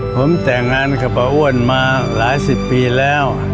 ผมแต่งงานกับป้าอ้วนมาหลายสิบปีแล้ว